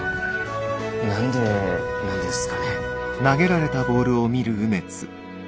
何でなんですかね？